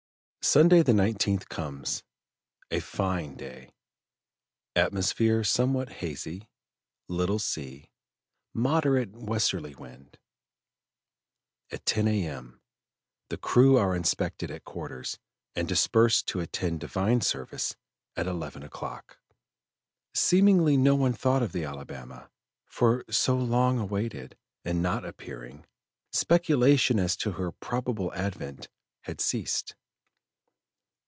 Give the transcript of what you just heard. Sunday the 19th comes; a fine day, atmosphere somewhat hazy, little sea, moderate westerly wind. At 10 A.M. the crew are inspected at quarters and dispersed to attend divine service at 11 o'clock. Seemingly no one thought of the Alabama, for so long awaited and not appearing, speculation as to her probable advent had ceased.